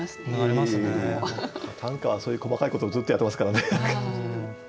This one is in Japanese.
短歌はそういう細かいことをずっとやってますからね。